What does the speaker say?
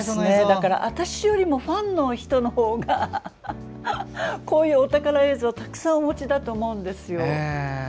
私よりもファンの人のほうがこういうお宝映像をたくさんお持ちだと思うんですよ。